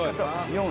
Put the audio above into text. ４。